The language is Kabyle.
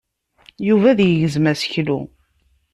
Yuba ad yegzem aseklu.